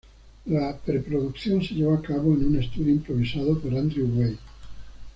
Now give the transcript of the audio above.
La preproducción se llevó a cabo en un estudio improvisado por Andrew Wade.